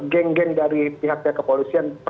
geng geng dari pihak pihak kepolisian